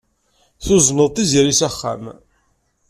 Tuzneḍ Tiziri s axxam.